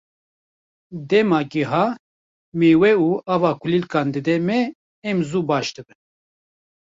Dema gîha, mêwe û ava kulîlkan dide me, em zû baş dibin.